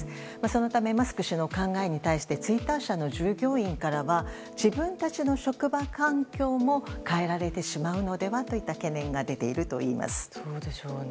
そのためマスク氏の考えに対してツイッター社の従業員からは自分たちの職場環境も変えられてしまうのではといった懸念が出ているといいます。